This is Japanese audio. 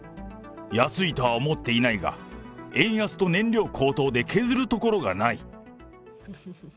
安いとは思っていないが、円安と燃料高騰で削るところがない。